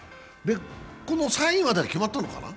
この３位までは決まったのかな？